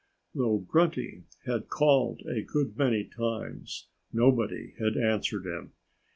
Though Grunty had called a good many times, nobody had answered him.